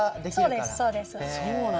そうですそうです。